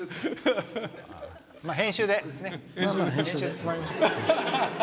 編集でつまみましょう。